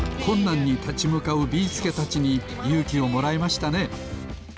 困難にたちむかうビーすけたちにゆうきをもらいましたね。